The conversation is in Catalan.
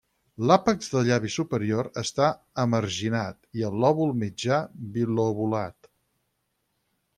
L'àpex del llavi superior està emarginat, i el lòbul mitjà bilobulat.